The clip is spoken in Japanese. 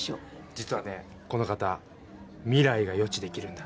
実はねこの方未来が予知できるんだ。